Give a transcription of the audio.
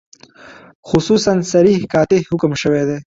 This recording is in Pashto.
خصوصاً صریح قاطع حکم شوی دی.